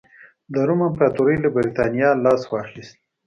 د روم امپراتورۍ له برېټانیا لاس واخیست.